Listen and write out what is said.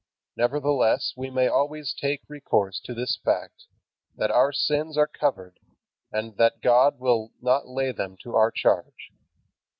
Nevertheless we may always take recourse to this fact, "that our sins are covered," and that "God will not lay them to our charge."